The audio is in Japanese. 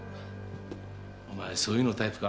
お前そういうのタイプか？